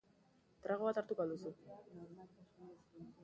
Trago bat hartuko al duzu?